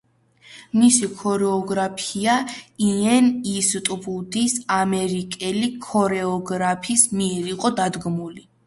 მისი ქორეოგრაფია იენ ისტვუდის, ამერიკელი ქორეოგრაფის მიერ იყო დადგმული.